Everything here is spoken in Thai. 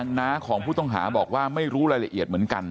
น้าของผู้ต้องหาบอกว่าไม่รู้รายละเอียดเหมือนกัน